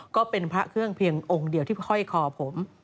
ก็เป็นพระเครื่องที่เกี่ยงที่เวลาเป็นองค์เดียวข้อยคอผม